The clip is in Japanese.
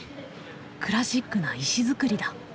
クラシックな石造りだ。